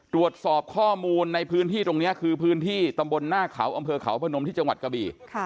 ตรวจสอบข้อมูลในพื้นที่ตรงนี้คือพื้นที่ตำบลหน้าเขาอำเภอเขาพนมที่จังหวัดกะบี่